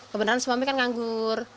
kebenaran suami kan nganggur